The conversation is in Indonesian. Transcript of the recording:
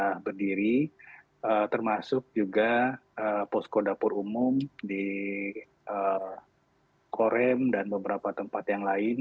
sudah berdiri termasuk juga posko dapur umum di korem dan beberapa tempat yang lain